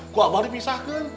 gue baru pisahkan